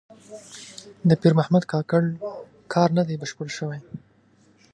د پیر محمد کاکړ کار نه دی بشپړ شوی.